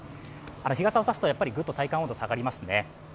日傘を差すとぐっと体感温度下がりますね。